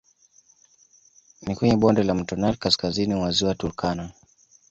Ni kwenye bonde la mto Nile kaskazini mwa ziwa Turkana